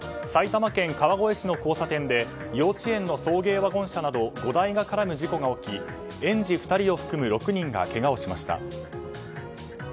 埼玉県川越市の交差点で幼稚園の送迎ワゴン車など５台が絡む事故が起き園児２人を含む６人がけがをしました。